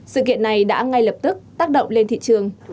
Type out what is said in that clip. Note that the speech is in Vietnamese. sự kiện này đã ngay lập tức tác động lên thị trường